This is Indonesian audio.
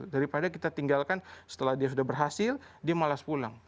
daripada kita tinggalkan setelah dia sudah berhasil dia malas pulang